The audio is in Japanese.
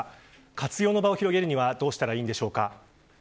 活用の場を広げるにはどうしたらいいんでしょうか。